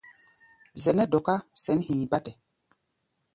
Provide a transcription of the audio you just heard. Zɛʼnɛ́ dɔká sɛ̌n hi̧i̧ bátɛ.